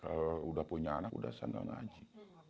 kalau udah punya anak udah saya nggak ngaji